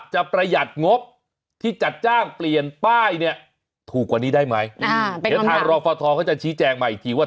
ประหยัดงบที่จัดจ้างเปลี่ยนป้ายเนี่ยถูกกว่านี้ได้ไหมเดี๋ยวทางรอฟทเขาจะชี้แจงมาอีกทีว่า